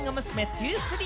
’２３。